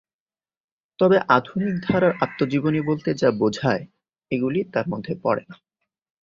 তবে আধুনিক ধারার আত্মজীবনী বলতে যা বোঝায়, এগুলি তার মধ্যে পড়ে না।